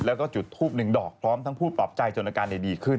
แล้วก็จุดทูบหนึ่งดอกพร้อมทั้งพูดปลอบใจจนอาการดีขึ้น